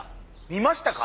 見ましたか？